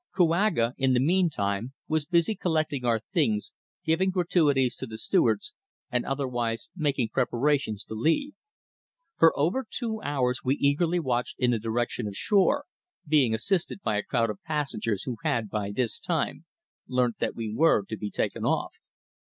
Kouaga, in the meantime, was busy collecting our things, giving gratuities to the stewards, and otherwise making preparations to leave. For over two hours we eagerly watched in the direction of the shore, being assisted by a crowd of passengers who had by this time learnt that we were to be taken off.